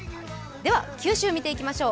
では九州見ていきましょう。